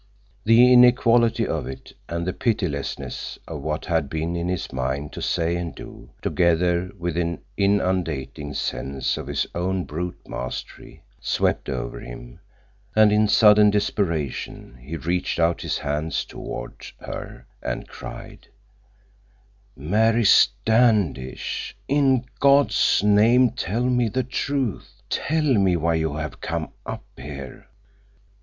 The inequality of it, and the pitilessness of what had been in his mind to say and do, together with an inundating sense of his own brute mastery, swept over him, and in sudden desperation he reached out his hands toward her and cried: "Mary Standish, in God's name tell me the truth. Tell me why you have come up here!"